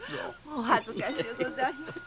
お恥ずかしゅうございます。